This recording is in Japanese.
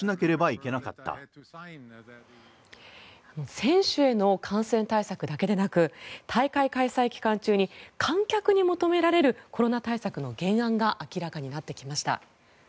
選手への感染対策だけでなく大会開催期間中に観客に求められるコロナ対策の原案が明らかになってきました。